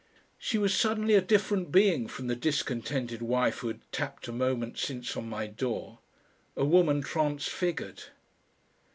She was suddenly a different being from the discontented wife who had tapped a moment since on my door, a woman transfigured....